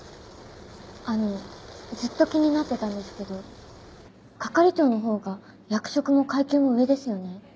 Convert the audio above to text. あのずっと気になってたんですけど係長のほうが役職も階級も上ですよね？